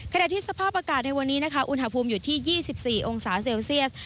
ที่สภาพอากาศในวันนี้นะคะอุณหภูมิอยู่ที่๒๔องศาเซลเซียส